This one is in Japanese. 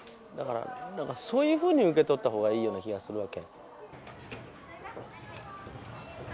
そういうふうに受け取った方がいいような気がするわけ。